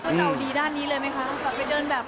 เขาจะเอาดีด้านนี้เลยไหมคะกลับไปเดินแบบ